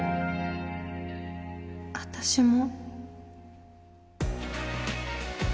私も。